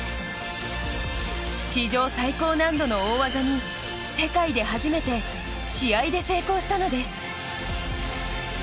史上最高難度の大技に世界で初めて試合で成功したのです。